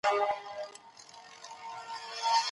د بریا سند یوازي د ډېر پوه کس په نوم نه سي صادرېدای.